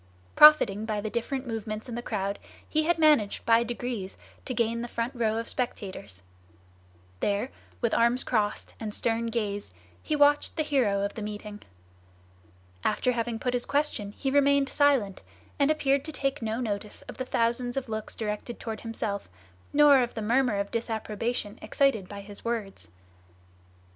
Profiting by the different movements in the crowd, he had managed by degrees to gain the front row of spectators. There, with arms crossed and stern gaze, he watched the hero of the meeting. After having put his question he remained silent, and appeared to take no notice of the thousands of looks directed toward himself, nor of the murmur of disapprobation excited by his words.